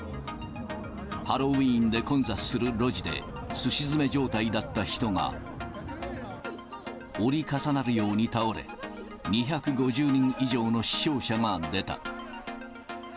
ハロウィーンで混雑する路地で、すし詰め状態だった人が、折り重なるように倒れ、２５０人以上の死傷者が出た。